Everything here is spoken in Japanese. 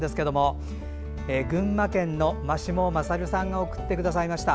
群馬県の真下勝さんが送ってくださいました。